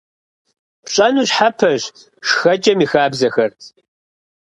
Пщӏэну щхьэпэщ шхэкӏэм и хабзэхэр.